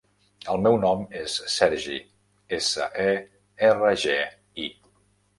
El meu nom és Sergi: essa, e, erra, ge, i.